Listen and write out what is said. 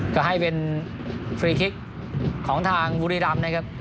ก็ให้เป็นฟรีคลิกของทางบุรีรำนะครับ